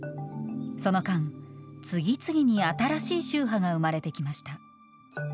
その間、次々に新しい宗派が生まれてきました。